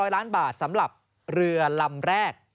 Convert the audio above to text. ๐ล้านบาทสำหรับเรือลำแรก